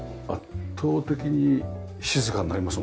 圧倒的に静かになりますもんね。